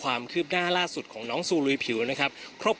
มันไม่ใช่แหละมันไม่ใช่แหละ